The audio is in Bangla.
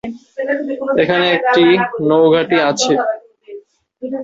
এখানে একটি নৌঘাঁটি আছে।